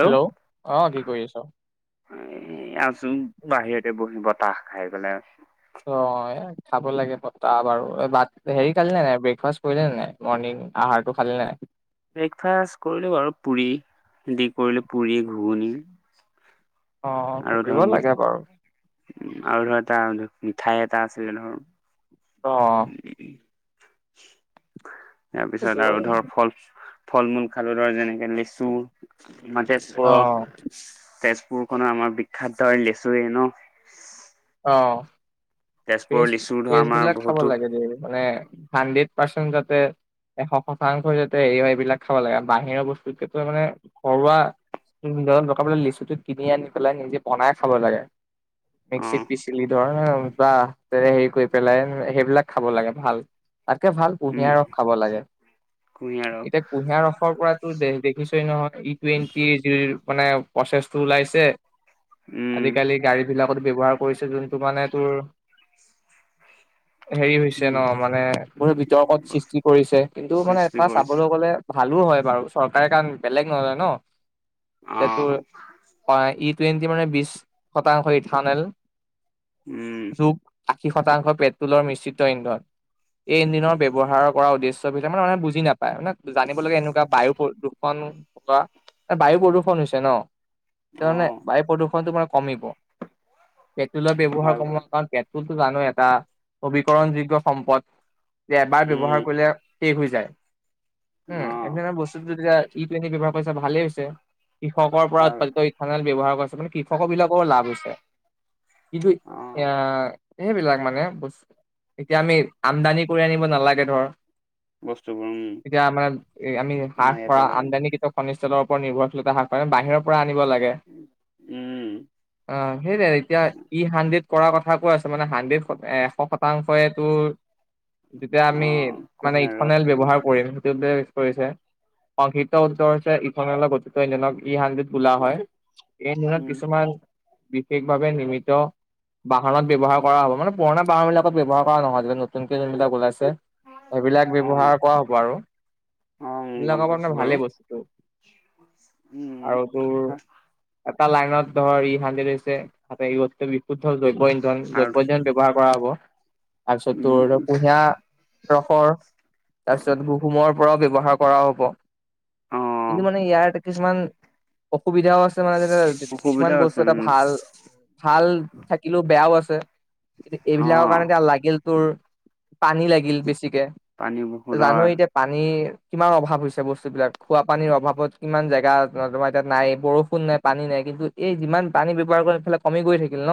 Hello অ কি কৰি আছ এ আছো বাহিৰতে বহি বতাহ খাই পেলাই আছো অ খাব লাগে পতা আৰু হেৰি কাল নে নাই ব্ৰেকফাষ্ট কৰিলে নে নাই মৰ্ণিং? আহাৰতটো খালে নে ন ব্ৰেকফাষ্ট কৰিলোঁ বাৰু, পুৰি দি কৰিলোঁ পুৰি ঘুগুণী অ আৰু কৰিব ধৰ লাগে বাৰু আৰু ধৰ এটা ধ মিঠাই এটা আছিলে ধৰ অ তাৰ পিছত আৰু সেইটোৱে। ধৰ ফল ফল মূল খালো ধৰ যেনেকে লেচু আমাৰ অ তেজপুৰ তেজপুৰ খনৰ আমাৰ বিখ্যাত ত লেচুৰ এ ন অ তেজপুৰৰ ফেছ লিচু ধৰ ফেচ আমাৰ বিলাক খাব বহুতো লাগে মানে হান্দেত পাসেন প এশ শতাংশই যাতে এই এইবিলাক খাব লাগে বাহিৰৰ বস্তুতকেতো মানে ঘৰুৱা খ পলে লিচুটো কিনি আনি পেলাই নিজে বনাই খাব লাগে অ মিক্সিতত পিচি লি দ নে বাহ তে হেৰি কৰি পেলাই সেইবিলাক খাব লাগে ভাল। তাকে ভাল উম কুঁহিয়াৰ ৰস খাব লাগে। কুঁহিয়াৰক এতিয়া কুঁহিয়াৰ ৰসৰ পৰা দে দেখিছে নহয় ই টুৱেণ্টি জ মানে প্ৰচেছটো ওলাইছে উম আজিকালি গাড়ী বিলাক ত ব্যৱহাৰ কৰিছে যোনটো মানে তোৰ হেৰি হৈছে ন মানে বহুত বিতৰ্কত সৃষ্টি কৰিছে কিন্তু মানে সৃষ্টি এটা কৰিছে চাবলৈ গ'লে ভালো হয় বাৰু চৰকাৰে কাৰণ বেলেগ নলয় ন অ তোৰ টুৱেণ্টি মানে বিশ শতাংশ ই থানেল উম যোগ আশী শতাংশ পেট্ৰলৰ মিশ্ৰিত ইন্ধন এই ইণ্জনৰ ব্যৱহাৰৰ কৰা উদ্দেশ্যৰ ভিতে মানে মানে বুজি নাপায় মানে জানিব লগে এনেকুৱা বায়ু প্ৰদূষণ। বায়ু প্ৰদূষণ হৈছে ন। সানে অ বায়ু প্ৰদূষণতটো মানে কমিব পেট্ৰলৰ ব্যৱহাৰ হয় কম হলে বাৰু গটো জানো এটা নবীকৰণ যোগ্য সম্পদ যে এবাৰ ব্যৱহাৰ উম কৰিলে শেষ হৈ যায় উ অ এনেধৰণৰ বস্তু ই টুৱেণ্টি ব্যৱহাৰ কৰিছা ভালেই হৈছে কৃষকৰ পৰা হয় উৎপাদিত ইথানল ব্যৱহাৰ কৰিছে মানে কৃষকৰ বিলাকৰ লাভ হৈছে কিন্তু অ এয়া সেইবিলাক মানে বচ এতিয়া আমি আমদানি কৰি আনিব নালাগে ধৰ বস্তুবোৰ উম এতিয়া মানে আমি হৰাহ আমাৰ ইয়াতে কৰাৰা অলপ আমদানি খনিষ্ঠলৰ নিৰ্ভৰশীলতা হাস কৰে বাহিৰৰ পৰা আনিব লাগে, উম হেইটোৱে এতিয়া ই হান্দ্ৰেত কৰা কথা কো আছে মানে হাণ্ড্ৰেড এশ শতাংশই তোৰ যেতিয়া অ আমি মানে কুঁহিয়াৰ ৰস ইথনেল থাকে ব্যৱহাৰ কৰিম সেইটো। কৰিছে সংসিপ্ত উত্তৰ হৈছে, গঠিত ইধক ই সন্দ্ৰেত বুলা হয় এই দিনত উম কিছুমান বিশেষভাৱে নিৰ্মিত। বাহনত ব্যৱহাৰ কৰা হ'ব মানে পুৰণা বাহন বিাকত ব্যৱহাৰ কৰা নহয় যে নতুনকে যোনবিলাক ওলাইছে? সেইবিলাক অ ব্যৱহাৰ কৰা হ'ব আৰু। অ লগ গম কাবে পাইছো বাৰু ভালেই বস্তুটোটো? উম আৰু তোৰ এটা লাইনত ধৰ ই হান্দি লৈছে হাতে। জৈৱ্য ইন্ধন আৰু জৈৱ ইন্ধন ব্যৱহাৰ কৰা হ'ব। তাৰপিছত উম তোৰ কুহা। ৰসৰ তাৰপিছত হহুমৰ পৰাও ব্যৱহাৰ কৰাও হ'ব। অ কিন্তু মানে ইয়াত কিছুমান। অসুবিধাও আছে মানে যে কিছুমান অসুবিধাও বস্তু আছে এটা উম ভাল ভাল। থাকিলেও বেয়াও আছে কিন্তু অ এইবিলাকৰ কাৰণে এতিয়া লাগেল তোৰ পানী লাগিল বেছি। পানী গতিকে বহুত জানো হয় এতিয়া পানী। কিমান অভাৱ হৈছে বস্তু বিলাক খোৱাাপানীৰ অভাৱত কিমান জেগা। তোমাৰ এতিয়া নাই বৰষুণ নাই পানী নাই কিন্তু এই যিমান পানী ব্যৱহাৰ কৰম ইফালে কমি গৈ থাকিল ন।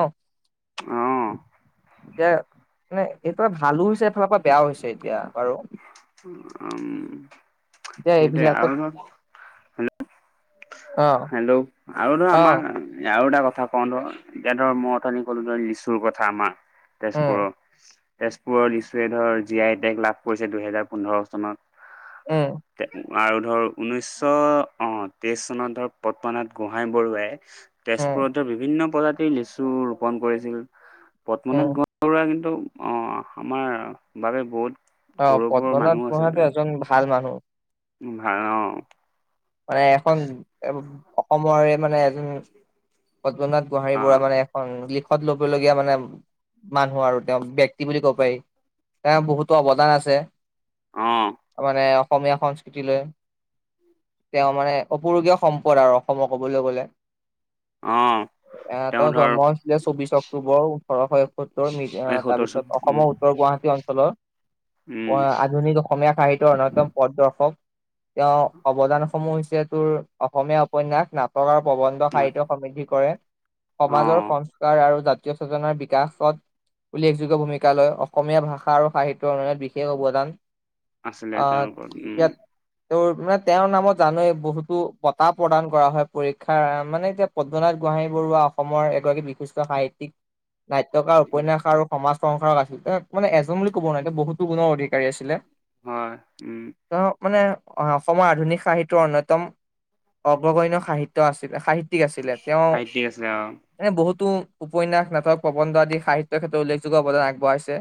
আহ এতিয়া মানে সটো ভালো হৈছে এফালৰ পৰা বেয়াও হৈছে এতিয়া বাৰু। উম এতিয়া সেইটোৱে এইবিলাকত আৰু ধ। [unintelligible] অ হেল্ল' আৰু ধৰা অ আমাৰ। আৰু এটা কথা কওঁ ধৰ এ ধৰ মতনি কলো ধ লিচুৰ কথা আমাৰ। উম তেজপুৰৰ। তেজপুৰৰ লিচুৱে ধৰ জি আই টেক লাভ কৰিছে দুহেজাৰ পোন্ধৰ চনত। উম আৰু ধৰ ঊনৈছশ অঁ তেইছ চনত ধৰ পদ্মনাথ গোহাঁই বৰুৱাই। উম তেজপুৰতৰ বিভিন্ন প্ৰজাতিৰ লিচু ৰোপন কৰিছিল? পদ্মনাথ উম ব বৰুৱা কিন্তু অ আমাৰ বাবে বহুত। অ গৰুবোৰৰ পদ্মনাথ মানুহো গোহাঁইতো আছিলে? এজন ভাল মানুহ উম ভাৰম। মানে এখন অসমৰে মানে। উ পদ্মনাথ গোহাৰি অ বৰা মানে এখন লি। ত ল'ব লগগীয়া মানে মানুহ আৰু তেওঁ ব্য়ক্তি বুলি কব পাৰি। তেওঁ বহুতো অৱদান আছে। অ মানে অসমীয়া সংস্কৃতিলৈ। তেওঁ মানে অপূৰুগীয় সম্পদ আৰু অসমক ক'বলৈ গলে। আহ এ তেওঁৰ জন্ম হৈছিলে চৌবিশ অক্টোবৰ ওঠৰশ এসত্তৰ এই সত্তৰ তাৰপিছত চন উম অসমৰ উত্তৰ গুৱাহী। অঞ্চলৰ উম আধুনিক অসমীয়া সাহিত্যয়ৰ অন্যতম প্ৰদৰ্শক। তেওঁ অৱদান সমূহ হৈছে তোৰ অসমীয়া উপন্যাস নাটকৰ। প্ৰবন্ধ নাট সাহিত্য সমিদ্ধি কৰে অ সমাজৰ সংস্কাৰ আৰু জাত। সজনাৰ বিকাশত। উল্লেখযোগ্য ভূমিকা লৈ অসমীয়া ভাষা আৰু সাহিত্যৰ উন্নয়নত বিশেষ অৱদান? আছিলে অ তেওঁৰ ওপৰত উম। এতিয়া তেওঁ মানে তেওঁৰ নামত। জানোে বহুতো বঁটা প্ৰদান কৰা হয় পৰীক্ষাৰ মানে এতিয়া পদ্মনাথ গোহাইি বৰুৱা অসমৰ। এগৰাকী বিশিষ্ট সাহিত্যিক? নাট্যকাৰ উম উপন্যাস আৰু সমাজ সংসাৰক আছিল তেওঁ মানে এজন বুলি ক'ব নোৱাৰি বহুতো গুণৰ অধিকাৰী আছিলে? হয় উ তেওঁ মানে অ অসমৰ আধুনিক সাহিত্য়ৰ অনয়তম অগ্ৰগণ সাহিত্য আছিলে সাহিত্য। আছিলে তেওঁ সাহিত্যিক আছিলে অ বহুত। টো উপন্যাস নাটক প্ৰবন্ধ আদি সাহিত্যৰ ক্ষেত্ৰত উল্লেখয্য অৱদান আগবঢ়াইছে?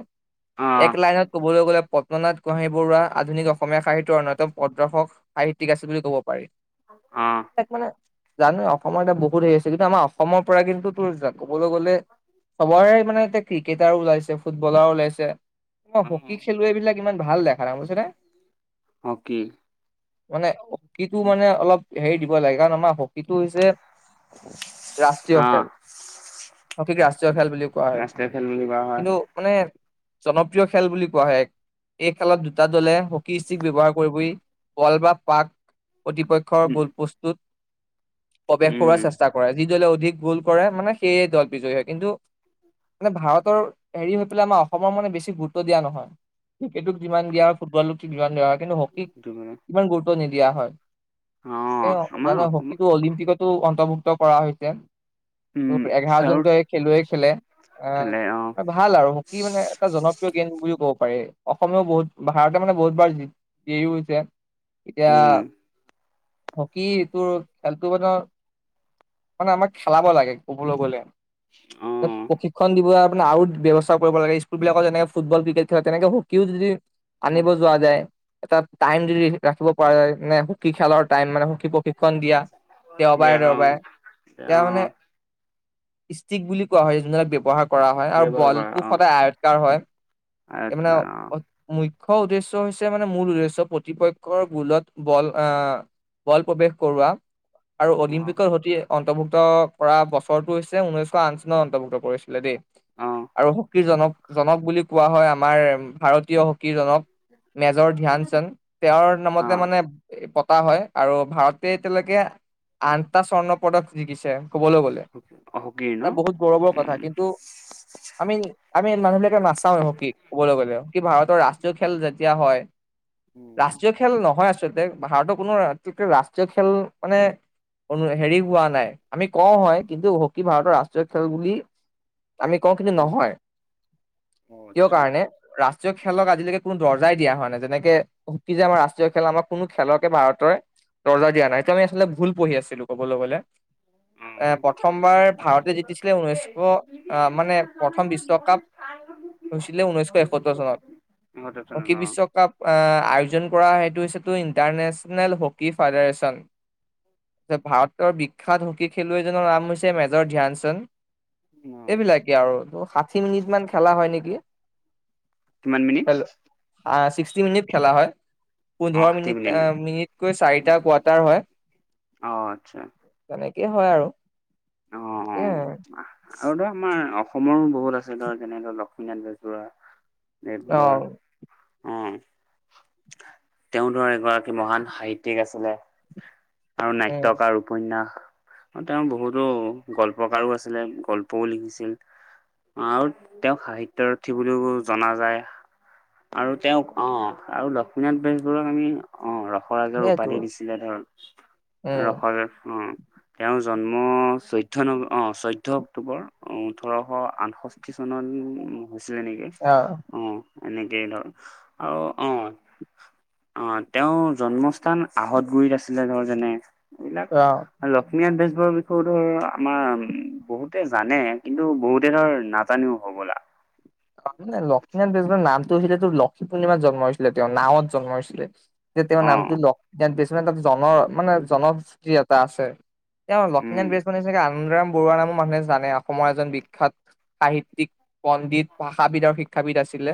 অ এক লাইনত ক'বলৈ গ'লে। পদ্মনাথ গোহাঞি বৰুৱা আধুনিক অসমীয়া সাহিত্যৰ অন্যতম প্ৰদৰ্শক সাহিত্যিক আছিল বুলি ক'ব পাৰি [unintelligible] আহ', জানোঁ অসমৰ এটা বহুত হেৰি আছে কিন্তু আমাৰ অসমৰ পৰা কিন্তু তোৰ যা', ক'বলৈ গ'লে চবৰে মানে এতিয়া ক্ৰিকেটাৰ ওলাইছে ফুটবলাৰো ওলাইছে হকী খেলুৱৈ বিলাক ইমান ভাল দেখা নাই বুজিছা নে মানে হকীটো মানে অলপ হেৰি দিব লাগে কাৰণ আমাৰ হকীটো হৈছে ৰাষ্ট্ৰীয় খেল আহ', হকীক ৰাষ্ট্ৰীয় খেল বুলি কোৱা হয় বুলি কোৱা হয়। কিন্তু মানে জনপ্ৰিয় খেল বুলি কোৱা হয় এই খেলত দুটা দলে হকী ষ্টিক ব্যৱহাৰ কৰিবই পল বা পাক প্ৰতিপক্ষৰ উম, গোলপোষ্টটো প্ৰৱেশ কৰোৱাৰ উম, চেষ্টা কৰে যি দলে অধিক গোল কৰে মানে সেইয়ে দল বিজয়ী হয় কিন্তু মানে ভাৰতৰ হেৰি হৈ পেলাই আমাৰ অসমৰ মানে বেছি গুৰুত্ব দিয়া নহয় ক্ৰিকেটোক যিমান দিয়া হয় ফুটবলক ঠিক সিমান দিয়া হয় কিন্তু হকীক এইটো মানে ইমান গুৰুত্ব নিদিয়া হয় [unintelligible] অ', আমাৰ জানোঁ অসমত হকীকো অলিম্পিকতো অন্তৰ্ভুক্ত কৰা হৈছে তোৰ উম, চাউথ এঘাৰজনকৈ খেলুৱেক খেলে অ', ভাল আৰু হকী মানে এটা জনপ্ৰিয় গেম বুলিও ক'ব পাৰি অসমেও বহুত ভাৰতে মানে বহুত বাৰ জি', বিজয়ী হৈছে এতিয়া উম, হকী এইটো খেলটো মানে মানে আমাক খেলাব লাগে ক'বলৈ গ'লে, অ', প্ৰশিক্ষণ দিব আপোনাৰ আৰু ব্যৱস্থা কৰিব লাগে স্কুলবিলাকত যেনে ফুটবল ক্ৰিকেট খেলে তেনেক হকীও যদি আনিব যোৱা যায় এটা টাইম দি ৰাখিব পৰা যায় নে হকী খেলৰ টাইম মানে হকী পকী সন্ধিয়া দেওবাৰে দিয়া দেওবাৰে অ', ইয়াৰ মানে অ', ষ্টিক বুলি কোৱা হয় যোনবিলাক ব্যৱহাৰ কৰা হয় আৰু ব্যৱহাৰ কৰা বলটো অ', সদায় আয়তকাৰ হয় এই আয়ত মানে অ', মূখ্য উদ্দেশ্য হৈছে মানে মূল উদ্দেশ্য প্ৰতিপক্ষৰ গোলত বল আহ বল প্ৰৱেশ কৰোৱা আৰু অ', অলিম্পিকত সতে অন্তৰ্ভুক্ত কৰা বছৰটো হৈছে ঊনৈশ আঠ চনত অন্তৰ্ভুক্ত কৰিছিলে দেই অ', আৰু হকীৰ জনক, জনক বুলি কোৱা হয় আমাৰ ভাৰতীয় হকী হকীজনক মেজৰ ধ্যান চান্দ তেওঁৰ নামতে মানে পতা হয় আৰু ভাৰতে এতিয়ালৈকে আঠটা স্বৰ্ণ পদক জিকিছে ক'বলৈ গ'লে অ হকী ন? তাত বহুত গৌৰৱৰ কথা উম, কিন্তু আমি আমি মানুহ বিলাকে নাচাও হকী ক'বলৈ গ'লে কি ভাৰতৰ ৰাষ্ট্ৰ ৰাষ্ট্ৰীয় খেল যেতিয়া হয় উম, ৰাষ্ট্ৰীয় খেল নহয় আচ ভাৰতৰ কোনো ৰাষ্ট্ৰীয় খেল মানে অনু হেৰি হোৱা নাই আমি কওঁ হয় কিন্তু হকী ভাৰতৰ ৰাষ্ট্ৰীয় খেল বুলি আমি কওঁ কিন্তু অ', নহয় অ', কিয় আচ্ছা কাৰণে ৰাষ্ট্ৰ ৰাষ্ট্ৰীয় খেলক আজিলৈকে কোনো দৰ্জাই দিয়া হোৱা নাই যেনেকে হকী যে আমাৰ ৰাষ্ট্ৰীয় খেল আমাক কোনো খেলকে ভাৰতৰ দৰ্জা দিয়া নাই, এইটো আমি আচলতে ভুল পঢ়ি আছিলোঁ ক'বলৈ গ'লে এ অ', প্ৰথমবাৰ ভাৰতে জিতিছিলে ঊনৈশখ আহ', মানে প্ৰথম বিশ্বকাপ হৈছিলে ঊনৈশখ এসত্তৰ চনত, ইহঁতে খেলে হকী ন বিশ্বকাপ আহ', আয়োজন কৰা টু ইণ্টাৰনেশ্যনেল হকী ফেডাৰেচন ভাৰতৰ বিখ্যাত হকী খেলুৱৈজনৰ নাম হৈছে মেজৰ ধ্যান চান্দ অ এইবিলাকে আৰু ষাঠি মিনিট মান খেলা হয় নেকি কিমান মিনিট? ছিক্সটি মিনিট খেলা হয় অ', পোন্ধৰ ষাঠি মিনিট ন? আহ', মিনিটকৈ চাৰিটা কোৱাৰ্টাৰ হয় অ', আচ্ছা তেনে সে হয় আৰু, অ', সে হয় অ'। আৰু আৰু ধৰ আমাৰ অসমৰো বহুত আছে ধৰ যেনে ধৰ লক্ষ্মীনাথ বেজবৰুৱা দেৰ অ আছে, অ', [unintelligible] তেওঁ ধৰ এগৰাকী মহান সাহিত্যিক আছিলে। আৰু উম নাট্যয়কাৰ উপন্যাস, তেওঁ বহুতো। গল্পকাৰো আছিলে গল্পও লিখিছিল। আৰু তেওঁক সাহিত্যৰথী বুলিও জনা যায়। আৰু তেওঁক অ আৰু লক্ষ্মীনাথ বেজবৰুৱাক আমি অ। ৰসৰাজৰ সেইয়েতো উপাধি দিছিলে, ধৰ উম ৰসৰাজ। তেওঁৰ জন্ম চৈতয়। চৈধ্য ন অঁ চৈধ্য অক্টোবৰ ওঠৰশ আঠষষ্ঠি চনত। হৈছিলে নেকি অ এনেকেই ধৰ আৰু অ। অ তেওঁৰ জন্মস্থান আহত গুৰিত আছিলে ধৰ যেনে। এইবিলাক অ। লক্ষ্মীনাথ বেজবৰুৱাৰ বিষয়ো। আমাৰ উ বহুতে জানে কিন্তু বহুতে ধৰ নাজানিও হ'বলা। মানে লক্ষীনাথ বেজবৰুৱাৰ নামটো হৈছিলে তোৰ লক্ষ্মী পূৰ্ণিমাত জন্ম হৈছিলে তেওঁৰ নাৱত জন্ম হৈছিলে। যে তেওঁৰ নামটো অ' লক্ষীনাথ বেজবৰুৱা জন মানে জনসতি এটা আছে। তেওঁ উম লক্ষ্মীনাথ বেজবৰুৱা। আনন্দৰাম বৰুৱা নামো মানুহে জানে অসমৰ এজন বিখ্যত সাহিত্যয়িক পণ্ডিত। ভাষাবিদ আৰু শিক্ষাবিদ আছিলে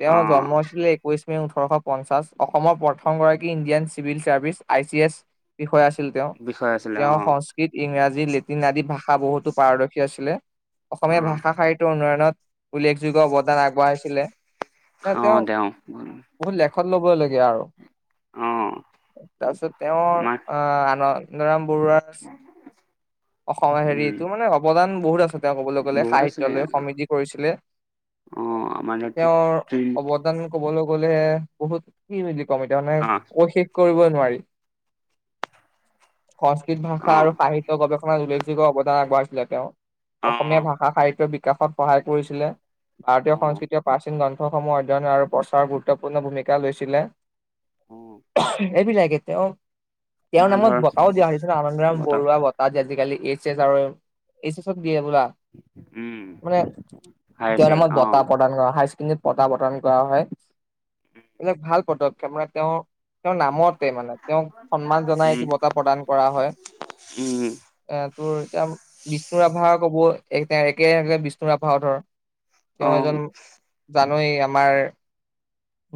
তেওঁৰ জন্ম অ' হৈছিলে একৈশ। ওঠৰশ পঞ্চাশ অসমৰ প্ৰথমগৰাকী Indian civil service I C S বিষয়া আছিল। আছিল তেওঁ বিষয় আছিলে তেওঁৰ অ' সংস্কৃত ইংৰাজী লেটিন আদি ভাষা বহুতো পাৰদৰ্শী আছিলে। অসমীয়া অ' ভাষা সাহিত্যৰ উন্নয়নত উল্লেখযোগ্য অৱদান আগবঢ়াইছিলে। ন তেওঁ বহুত লেখত ল'ব লাগে। আৰু অ' তাৰপিছত তেওঁৰ আমাৰ আহ আনন্দৰাম। কৰুৰা। অসমৰ উম হেৰিটো মানে অৱদান বহুত আছে। এয়া ক'বলৈ গ'লে বহুত আছিলে সাহিত্যলৈ সমিতি কৰিছিলে। অ' আমাৰ অ' তেওঁৰ অৱদান কবলৈ। কলে বহুত কি বুলি কম এতিয়া মানে অশেষ কৰিব। সংস্কৃত ভাষা অ' আৰু সাহিত্য গৱেষণা উল্লেখযোগ্য অৱদান আগবঢ়াইছিলে তেওঁ অসমীয়া অ' ভাষা সাহিত্যৰ বিকাশত সহায় কৰিছিলে। ভাৰতীয় অ' সংস্কৃতিয়ৰ প্ৰাচীন গ্ৰন্থসমূহ অধ্যয়ন আৰু প্ৰচাৰৰ গুৰুত্বপূৰ্ণ ভূমিকা লৈছিলে। অ' এইবি লাই গতি অ। [unintelligible] তেওঁৰ আমাৰ নামত ধৰ বঁটাও দিয়া হয় আনন্দৰাম বত বৰুৱা বটাাহ আজিকালি এইচ এছ আৰু এইচ এছত। বোলা উম মানে হায়াৰ তেওঁ ছেকেণ্ড নামত অ' বঁটাহ প্ৰদান কৰা হায় ছেকেণ্ডৰী। বঁটা বতন কৰা হয়, এইবিলাক ভাল পদক্ষেপ মানে তেওঁ। তেওঁৰ নামতে মানে তেওঁক সন্মান জনাই এটি উম বঁটা প্ৰদান কৰা হয়। উম এ তোৰ এতিয়া বিষ্ণু ৰাভা কব একে বিষ্ণু ৰাভা ধৰ। অ তেওঁ এজন। এই আমাৰ,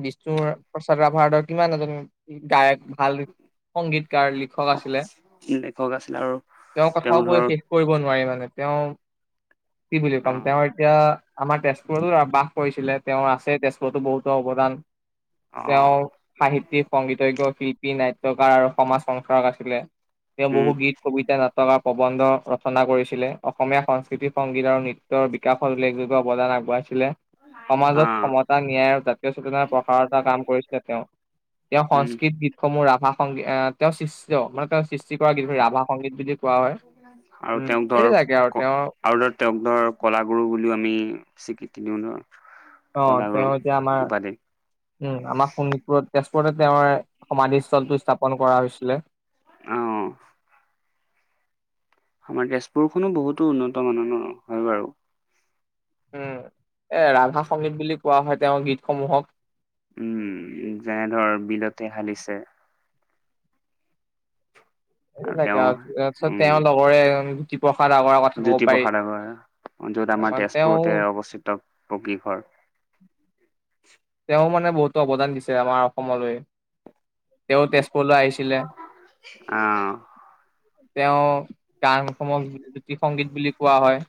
বিষ্ণুৰ প্ৰসাদ ভাৰতৰ কিমান এজন গায়ক। ভাল সংগীতকাৰ লিখক আছিলে। লেখক আছিল আৰু তেওঁ কথাও কৈ শেষ কৰিব নোৱাৰি মানে তেওঁ কি বুলি অ কম তেওঁ এতিয়া। আমাৰ তেজপুৰতো বাস কৰিছিলে তেওঁৰ আছে তেজপুৰতো বহুতো অৱদান। অ তেওঁৰ সাহিত্যিক সংগীতজ্ঞ। শিল্পী নাইট্ৰ কাৰ আৰু সমাজ সংস্কাৰক আছিলে তেওঁ বহু উম গীত। গী নাটকাৰ প্ৰবন্ধ ৰচনা কৰিছিলে অসমীয়া সংস্কৃতি সংগীত আৰু নৃত্যৰ বিকাশত উল্লেখযোগ্য। অৱদান আগব। অ সমাজত ক্ষতা ন্যায় আৰু জাতীয় চেতনাৰ প্ৰসাৰতা কাম কৰিছিলে তেওঁ। তেওঁ উম সংস্কৃত গীতসমূহ ৰাভা সংগ এ তেওঁৰ সৃষ্ট তেওঁ মানে তেওঁ সৃষ্টি কৰা গীতসমূহ ৰাভা। সংগীত বুলি কোৱা হয়। আৰু উম তেওঁক ধৰ, এইবিলাকে তেওঁৰ আৰু ধৰ তেওঁক ধৰ কলাগুৰু বুলিও আমি। সিকি দি নও ন। অ তেওঁ এতিয়া আমাৰ উম আমাৰ শোণিতপুৰত তেওঁৰ সমাধি স্থলটো স্থাপন কৰা হৈছিলে। আহ। আমাৰ তেজপুৰখনো বহুতো উন্নত মানৰ ন? হয় বাৰু। উম এ ৰাভা সংগীত বুলি কোৱা হয় তেওঁৰ গীতসমূহক। উম যেনে ধৰ বিলতে হালিছে এইবিলাকে আৰু তাৰ পিছত উম তেওঁৰ লগৰে ধুতি প্ৰসাদ আগৰ কথা কব জ্যোতি পাৰি। প্ৰসাদ আগৰ য'ত আমাৰ মানে তেওঁ তেজপুৰতে অৱস্থিত পকী ঘৰ তেওঁ মানে বহুতো অৱদান দিছে আমাৰ অসমলৈ। তেওঁ তেজপুৰলৈ আহিছিলে। আহ তেওঁ গান সমূহ জ্যোতি সংগীত বুলি কোৱা হয়।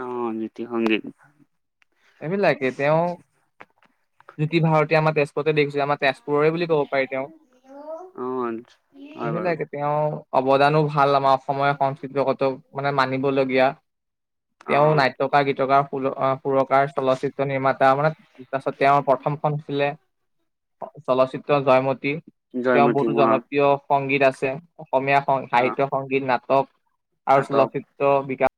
অ জ্যোতি সংগীত এইবিলাকে তেওঁ জ্যোতি ভাৰতী আমাৰ তেজপুৰতে দেখিছে আমাৰ তেজপুৰৰে বুলি কব পাৰি তেওঁ অ হয় বাৰু এইবিলাকে তেওঁৰ অৱদানো ভাল আমাৰ অসমৰ সংস্কৃতিত মানে মানিবলগীয়া অ তেওঁ নাট্যকাৰ, গীতকাৰ, সুৰ সুৰকাৰ চলচিত্ৰ নিৰ্মাতা মানে। তাৰপিছত তেওঁৰ প্ৰথমখন হৈছিলে চলচ্চিত্ৰ জয়মতী তেওঁ জয়মতী বহুত অ জনপ্ৰিয় সংগীত আছে অসমীয়া সং অ সাহিত্য সংগীত নাটক আৰু নাটক চলচিত্ৰ বিকাশ